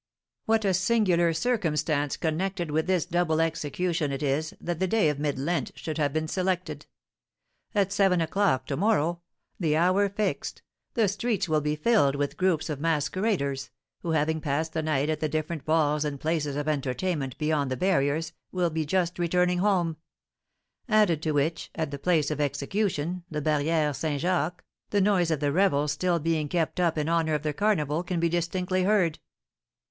"What a singular circumstance connected with this double execution it is that the day of mid Lent should have been selected. At seven o'clock to morrow, the hour fixed, the streets will be filled with groups of masqueraders, who, having passed the night at the different balls and places of entertainment beyond the barriers, will be just returning home; added to which, at the place of execution, the Barrière St. Jacques, the noise of the revels still being kept up in honour of the carnival can be distinctly heard."